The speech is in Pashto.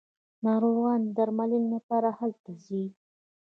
ناروغان د درملنې لپاره هلته ځي.